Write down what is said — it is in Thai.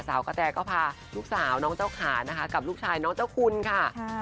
กระแตก็พาลูกสาวน้องเจ้าขานะคะกับลูกชายน้องเจ้าคุณค่ะ